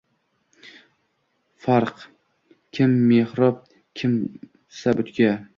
Farq — kim mehrob, kimsa butga